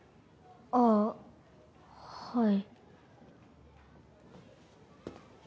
あぁはい。